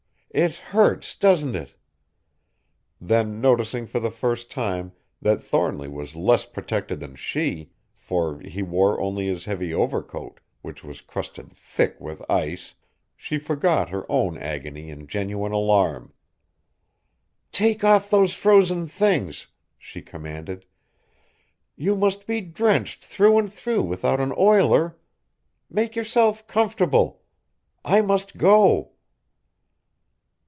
"It hurts, doesn't it?" Then noticing for the first time that Thornly was less protected than she, for he wore only his heavy overcoat, which was crusted thick with ice, she forgot her own agony in genuine alarm. "Take off those frozen things!" she commanded; "you must be drenched through and through without an oiler. Make yourself comfortable. I must go!"